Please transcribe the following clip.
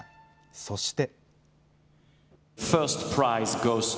そして。